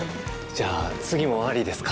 じゃあ次もありですか？